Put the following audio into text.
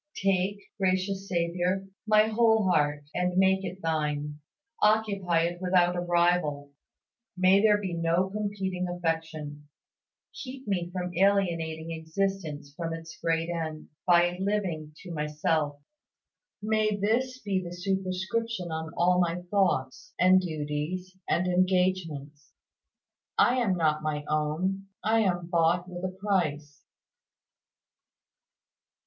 Take, gracious Saviour, my whole heart, and make it Thine; occupy it without a rival. May there be no competing affection. Keep me from alienating existence from its great end, by living to myself. May this be the superscription on all my thoughts, and duties, and engagements "I am not my own, I am bought with a price."